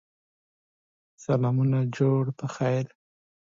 Again, the Dark Lord Nikademus was the nemesis.